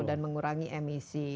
dan mengurangi emisi